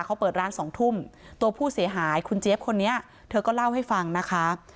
เขาเปิดร้านสองทุ่มตัวผู้เสียหายคุณเจี๊ยบคนนี้เธอก็เล่าให้ฟังนะคะ